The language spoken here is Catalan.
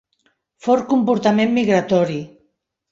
Fort comportament migratori.